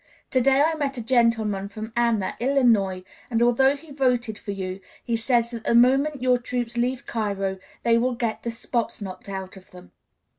To day I met a gentleman from Anna, Illinois, and although he voted for you he says that the moment your troops leave Cairo they will get the spots knocked out of them.